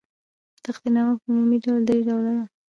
تقدیرنامه په عمومي ډول درې ډوله ده.